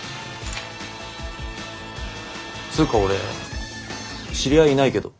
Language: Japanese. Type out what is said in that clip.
つうか俺知り合いいないけど？